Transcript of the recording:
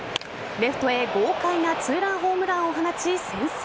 レフトへ豪快な２ランホームランを放ち先制。